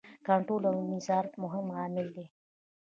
کنټرول او نظارت مهم عامل دی.